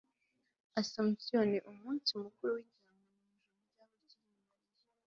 asomusiyo ni umunsi mukuru w'ijyanwa mu ijuru rya bikira mariya